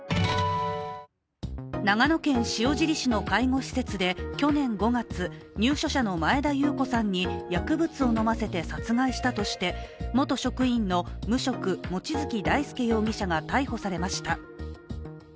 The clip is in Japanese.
長野県塩尻市の介護施設で去年５月、入所者の前田裕子さんに薬物を飲ませて殺害したとして元職員の無職、望月大輔容疑者が逮捕されました。